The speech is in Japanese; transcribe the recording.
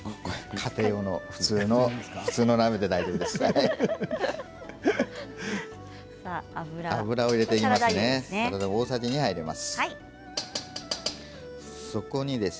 家庭用の普通の鍋で大丈夫です。